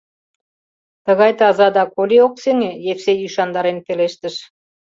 — Тыгай таза да коли ок сеҥе, — Евсей ӱшандарен пелештыш.